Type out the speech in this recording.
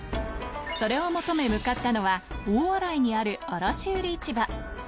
それを求め向かったのは、大洗にある卸売市場。